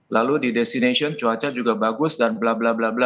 lalu di destination cuaca juga bagus dan bla bla bla bla